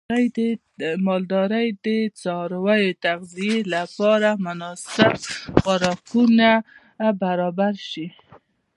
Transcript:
د مالدارۍ د څارویو د تغذیې لپاره مناسب خوراکونه برابر شي.